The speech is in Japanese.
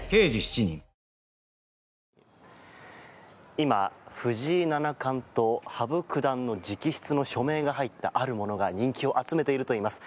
今、藤井七冠と羽生九段の直筆の署名が入ったあるものが人気を集めているといいます。